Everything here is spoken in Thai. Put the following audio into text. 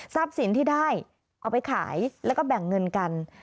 สินที่ได้เอาไปขายแล้วก็แบ่งเงินกัน